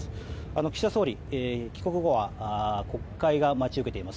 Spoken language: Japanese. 岸田総理、帰国後は国会が待ち受けています。